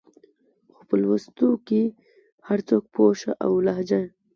خو په لوستو کې هر څوک پوه شه او لهجه يې